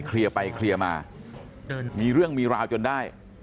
ไปเคลียร์มามีเรื่องมีราวจนได้